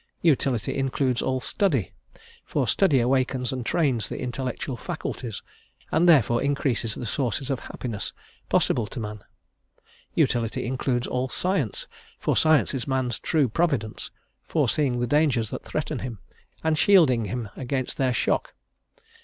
Utility includes all study, for study awakens and trains the intellectual faculties, and therefore increases the sources of happiness possible to man. Utility includes all science; for science is man's true providence, foreseeing the dangers that threaten him, and shielding him against their shock.